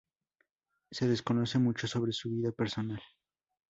Se desconoce mucho sobre su vida personal.